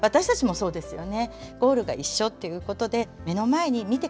そうですね。